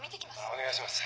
お願いします。